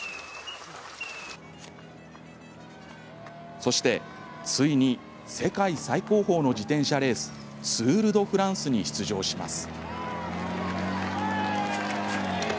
そして、ついに世界最高峰の自転車レースツール・ド・フランスに出場します。